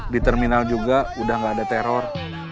di terminal juga udah gak ada teror